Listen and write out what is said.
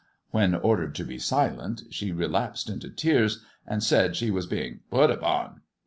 When ordered to be silent she relapsed into tears and said she was being put upon."